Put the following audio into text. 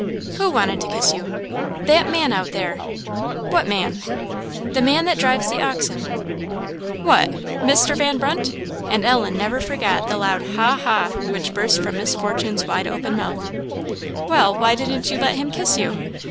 "Who wanted to kiss you?" "That man out there." "What man?" "The man that drives the oxen." "What, Mr. Van Brunt?" And Ellen never forgot the loud ha! ha! which burst from Miss Fortune's wide open mouth. "Well, why didn't you let him kiss you?"